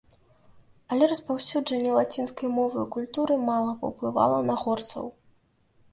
Але распаўсюджанне лацінскай мовы і культуры мала паўплывала на горцаў.